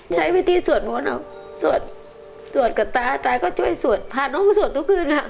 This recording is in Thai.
ใช้วิธีสวดมนต์เอาสวดสวดกับตาตาก็ช่วยสวดพาน้องมาสวดทุกคืนค่ะ